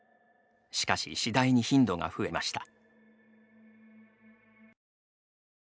しかし、次第に頻度が増えました。